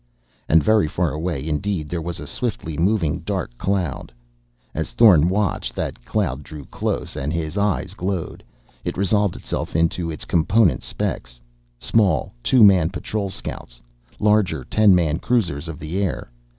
And very far away indeed there was a swiftly moving small dark cloud. As Thorn watched, that cloud drew close. As his eyes glowed, it resolved itself into its component specks. Small, two man patrol scouts. Larger, ten man cruisers of the air.